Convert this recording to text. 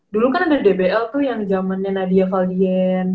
dulu kan ada dbl tuh yang zamannya nadia faldien